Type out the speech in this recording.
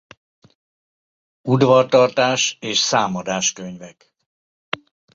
Udvartartás és számadás-könyvek.